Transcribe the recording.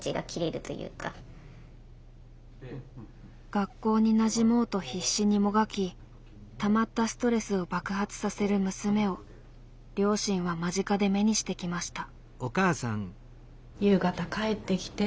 学校になじもうと必死にもがきたまったストレスを爆発させる娘を両親は間近で目にしてきました。